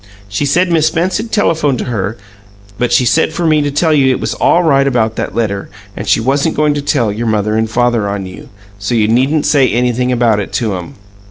She said Miss Spence had telephoned to her, but she said for me to tell you it was all right about that letter, and she wasn't goin' to tell your mother and father on you, so you needn't say anything about it to 'em."